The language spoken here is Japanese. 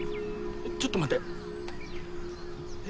ちょっと待ってえ？